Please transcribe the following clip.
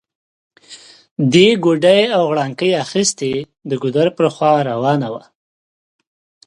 دې ګوډی او غړانګۍ اخيستي، د ګودر پر خوا روانه وه